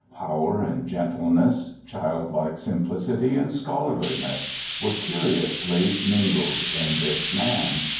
Power and gentleness, child like simplicity, and scholar! mess, were curiously mingled in this man.